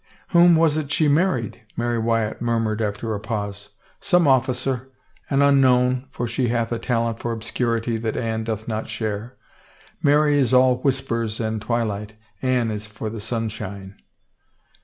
" Whom was't she married ?" Mary Wyatt murmured after a pause. " Some officer — an unknown, for she hath a talent for obscurity that Anne doth not share. Mary is all whispers and twilight ; Anne is for the sunshine."